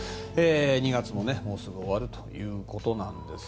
２月ももうすぐ終わるということなんです。